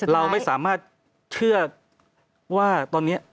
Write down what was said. เราไม่สามารถเชื่อว่าตอนนี้